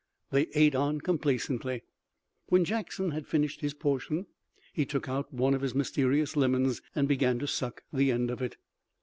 They ate on complacently. When Jackson had finished his portion he took out one of his mysterious lemons and began to suck the end of it.